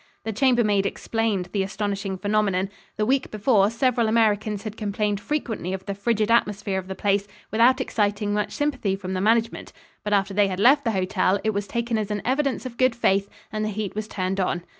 The chambermaid explained the astonishing phenomenon: the week before several Americans had complained frequently of the frigid atmosphere of the place without exciting much sympathy from the management, but after they had left the hotel, it was taken as an evidence of good faith and the heat was turned on.